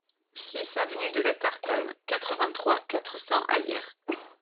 six avenue de la Tartane, quatre-vingt-trois, quatre cents à Hyères